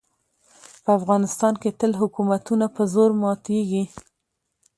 په افغانستان کې تل حکومتونه په زور ماتېږي.